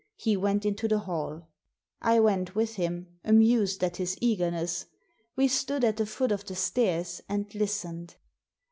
He went into the hall. I went with him, amused at his eagerness. We stood at the foot of the stairs and listened.